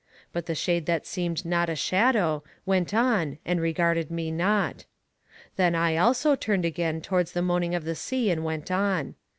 But the shade that seemed not a shadow, went on and regarded me not. Then I also turned again towards the moaning of the sea and went on.